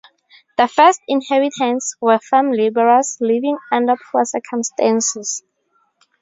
The first inhabitants were farm laborers living under poor circumstances.